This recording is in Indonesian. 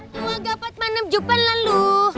tua gapet manem jupan lalu